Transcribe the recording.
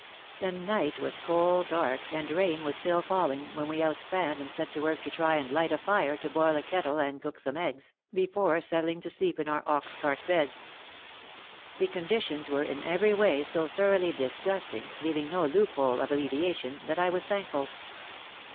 The night was coal dark, and rain was still falling, when we out spanned and set to work to try and light a fire to boil a kettle and cook some eggs, before settling to sleep in our ox cart beds. The conditions were in every way so thoroughly disgusting, leaving no loophole of alleviation, that I was thankful.